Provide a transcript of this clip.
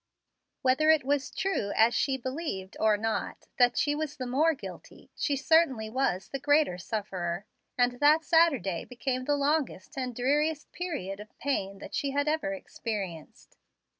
Whether it was true, as she believed, or not, that she was the more guilty, she certainly was the greater sufferer, and that Saturday became the longest and dreariest period of pain that she had ever experienced.